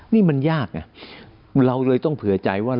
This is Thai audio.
นี่มันยากไงเราเลยต้องเผื่อใจว่า